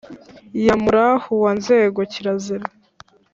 ya murahu wa nzengo : kirazira.